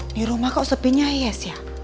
ini rumah kau sepinya yes ya